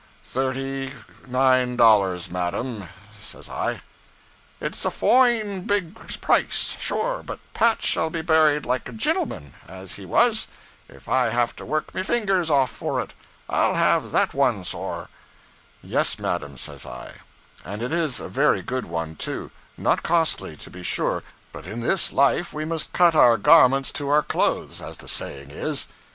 '"Thirty nine dollars, madam," says I. '"It 's a foine big price, sure, but Pat shall be buried like a gintleman, as he was, if I have to work me fingers off for it. I'll have that wan, sor." '"Yes, madam," says I, "and it is a very good one, too; not costly, to be sure, but in this life we must cut our garment to our clothes, as the saying is."